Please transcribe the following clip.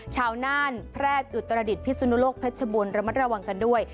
ชาวน่านแพร่อุตรดิษฐ์พิษนุนโลกเพชรบุญระมัดระวังกันด้วย